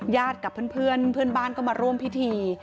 กับเพื่อนเพื่อนบ้านก็มาร่วมพิธี